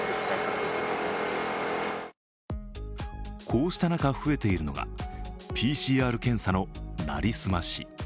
こうした中、増えているのがＰＣＲ検査の成り済まし。